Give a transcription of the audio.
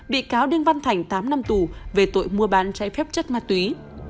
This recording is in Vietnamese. bị cáo đinh văn thành tám năm tù về tội mua bán trái phép chất ma túy